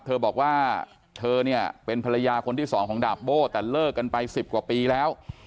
เธอบอกว่าเธอเนี่ยเป็นภรรยาคนที่สองของดาบโบ้แต่เลิกกันไป๑๐กว่าปีแล้ว